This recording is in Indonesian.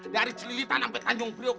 dari celilitan sampe tanjung priok